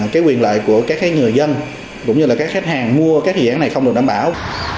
cái quyền lợi của các người dân cũng như là các khách hàng mua các dự án này không được đảm bảo